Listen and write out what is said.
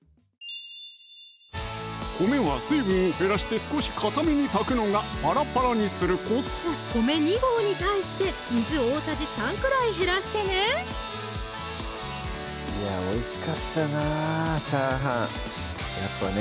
米は水分を減らして少しかために炊くのがパラパラにするコツ米２合に対して水大さじ３くらい減らしてねいやおいしかったなチャーハンやっぱね